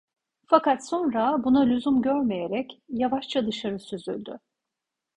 Fakat sonra buna lüzum görmeyerek yavaşça dışarı süzüldü.